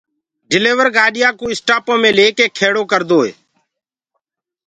ڊليور گآڏِيآ ڪو اسٽآپو مي ليڪي کيڙو ڪردوئي